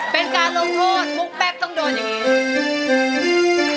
เป็นการลงโทษมุกแป๊บต้องโดนอย่างนี้